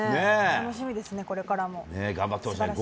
楽しみですね、これからも。